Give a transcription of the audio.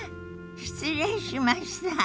失礼しました。